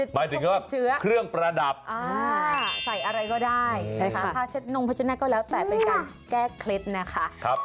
หมายถึงว่าเครื่องประดับใส่อะไรก็ได้ผ้าเช็ดนงเพราะฉะนั้นก็แล้วแต่เป็นการแก้เคล็ดนะคะ